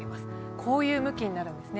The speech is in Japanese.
こういう向きになるんですね。